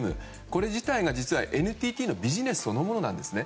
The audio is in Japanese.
これ自体が実はＮＴＴのビジネスそのものなんですね。